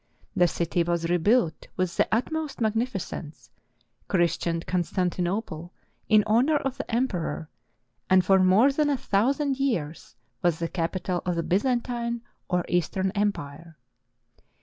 The city was rebuilt with the utmost magnificence, christened Constantinople in honor of the Emperor, and for more than a thousand years was the capital of the Byzantine or Eastern Empire.